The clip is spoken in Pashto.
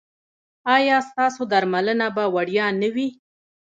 ایا ستاسو درملنه به وړیا نه وي؟